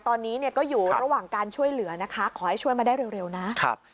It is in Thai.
ตอนนี้เนี่ยก็อยู่ระหว่างการช่วยเหลือนะคะขอให้ช่วยมาได้เร็วนะครับ